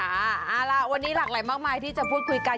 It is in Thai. เอาล่ะวันนี้หลากหลายมากมายที่จะพูดคุยกัน